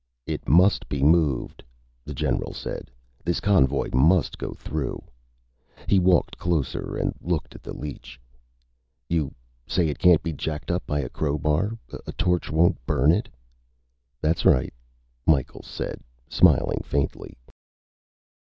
"It must be moved," the general said. "This convoy must go through." He walked closer and looked at the leech. "You say it can't be jacked up by a crowbar? A torch won't burn it?" "That's right," Micheals said, smiling faintly.